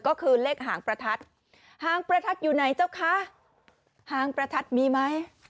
ก็คือเลขหางประทัดหางประทัดอยู่ไหนเจ้าคะหางประทัดมีไหม